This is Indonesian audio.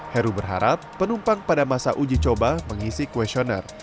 heru berharap penumpang pada masa uji coba mengisi questionnaire